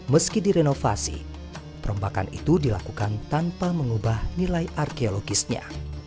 meski direnovasi perombakan itu dilakukan tanpa mengubah nilai arkeologisnya